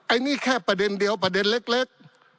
อันนี้แค่ประเด็นเดียวประเด็นเล็ก